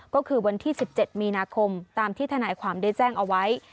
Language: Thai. ก็คือวันที่๑๗มีนาคมตามที่ทนายความได้แจ้งเอาไว้